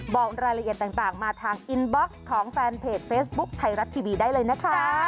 บอกรายละเอียดต่างมาทางอินบ็อกซ์ของแฟนเพจเฟซบุ๊คไทยรัฐทีวีได้เลยนะคะ